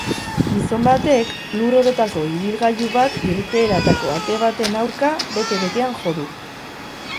Gizon batek lur orotako ibilgailu bat irteeratako ate baten aurka bete-betean jo du.